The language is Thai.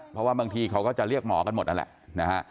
เพราะว่าบางทีเขาก็จะเรียกหมอกันหมดนั่นแหละนะฮะ